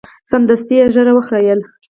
سمدستي یې ږیره وخریله.